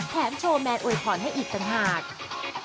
โชว์แมนอวยพรให้อีกต่างหาก